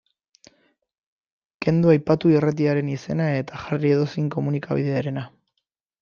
Kendu aipatu irratiaren izena eta jarri edozein komunikabiderena.